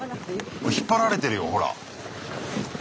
引っ張られてるよほら！